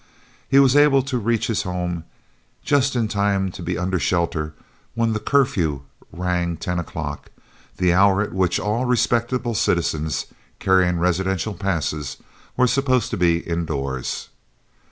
He was able to reach his home just in time to be under shelter when the "curfew" rang 10 o'clock, the hour at which all respectable citizens, carrying residential passes, were supposed to be indoors.